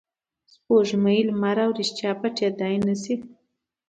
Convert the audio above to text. سپوږمۍ، لمر او ریښتیا پټېدای نه شي.